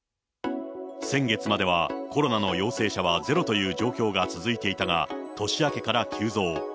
先月までは、コロナの陽性者はゼロという状況が続いていたが、年明けから急増。